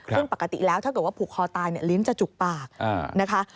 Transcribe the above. ซึ่งปกติแล้วถ้าเกิดว่าผูกคอตายลิ้นจะจุกปากนะคะ